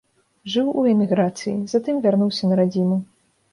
Жыў у эміграцыі, затым вярнуўся на радзіму.